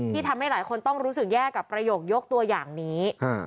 ทำให้หลายคนต้องรู้สึกแย่กับประโยคยกตัวอย่างนี้